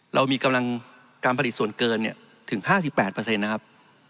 เรามีกำลังการผลิตส่วนเกินถึง๕๘นะครับ